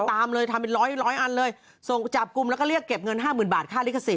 ตามเลยทำเป็นร้อยอันเลยจับกลุ่มแล้วก็เรียกเก็บเงิน๕๐๐๐๐บาทค่าลิขสิทธิ์